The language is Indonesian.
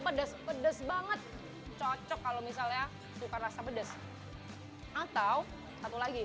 pedes pedes banget cocok kalau misalnya suka rasa pedes atau satu lagi